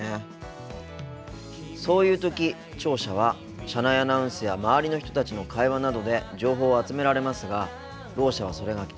そういう時聴者は車内アナウンスや周りの人たちの会話などで情報を集められますがろう者はそれが聞こえません。